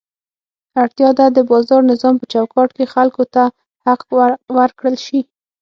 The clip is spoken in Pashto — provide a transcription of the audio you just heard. اړتیا ده د بازار نظام په چوکاټ کې خلکو ته حق ورکړل شي.